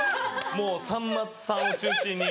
もうさんまさんを中心にやっぱ。